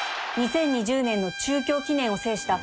２０２０年の中京記念を制した